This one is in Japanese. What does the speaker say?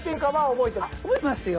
覚えてますよ。